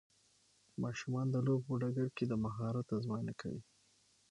ماشومان د لوبو په ډګر کې د مهارت ازموینه کوي.